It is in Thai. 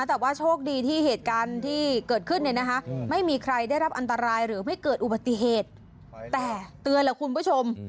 แต่เตือนเหล่าคุณผู้ชม